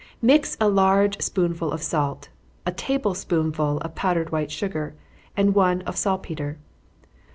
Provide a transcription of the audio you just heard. _ Mix a large spoonful of salt, a table spoonful of powdered white sugar, and one of saltpetre.